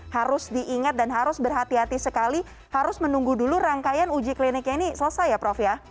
harus diingat dan harus berhati hati sekali harus menunggu dulu rangkaian uji kliniknya ini selesai ya prof ya